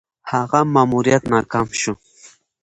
هغه ماموریت ناکام شو.